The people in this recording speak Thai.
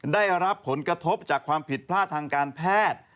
ได้รับผลกระทบจากความผิดพลาดทางการแพทย์